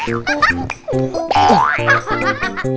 ขี่ล้างไปขี่ล้างแซ่งไป